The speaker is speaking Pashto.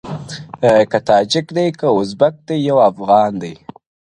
که تاجک دی، که اوزبک دی، یو افغان دی!